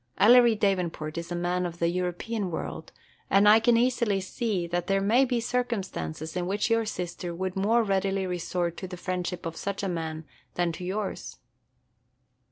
Ellery Davenport is a man of the European world, and I can easily see that there may be circumstances in which your sister would more readily resort to the friendship of such a man than to yours."